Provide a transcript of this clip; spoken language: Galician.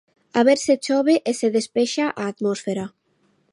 A ver se chove e se despexa a atmósfera.